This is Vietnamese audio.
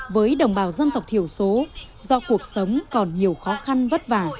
với đồng bào dân tộc thiểu số do cuộc sống còn nhiều khó khăn vất vả